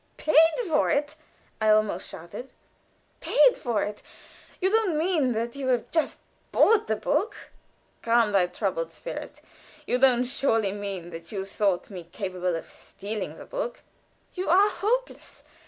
"Paid for it!" I almost shouted. "Paid for it! You don't mean that you have bought the book!" "Calm thy troubled spirit! You don't surely mean that you thought me capable of stealing the book?" "You are hopeless.